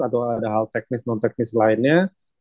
atau ada hal teknis non teknis lainnya